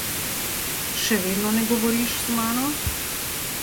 Še vedno ne govoriš z mano?